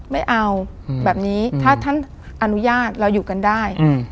ไม่เอาแบบนี้ถ้าท่านอนุญาตเราอยู่กันได้